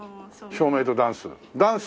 照明とダンス？